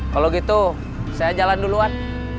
kalau gitu saya jalan duluan